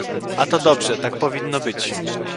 Ale to dobrze, tak powinno być